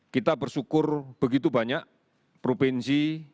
kita bersyukur begitu banyak provinsi